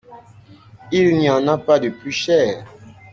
Il n’y en a pas de plus cher ?